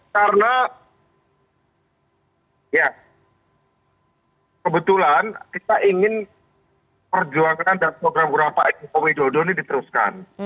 karena ya kebetulan kita ingin perjuangan dan program program pak jokowi dodo ini diteruskan